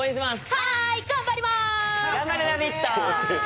はい、頑張ります！